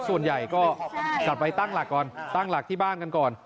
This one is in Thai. ส่วนใหญ่ก็จัดไปตั้งหลักก่อนตั้งหลักที่บ้านกันก่อน